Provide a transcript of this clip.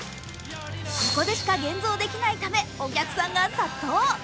ここでしか現像できないため、お客さんが殺到。